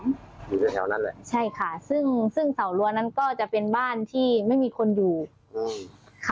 อยู่ในแถวนั้นแหละใช่ค่ะซึ่งซึ่งเตารั้วนั้นก็จะเป็นบ้านที่ไม่มีคนอยู่อืมค่ะ